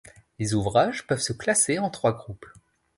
Les ouvrages peuvent se classer en trois groupes.